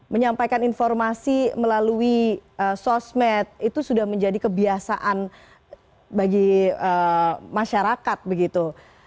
menyampaikan informasi melalui sosmed itu sudah menjadi kebiasaan bagi masyarakat begitu